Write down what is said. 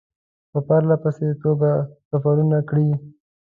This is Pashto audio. په پرله پسې توګه سفرونه کړي.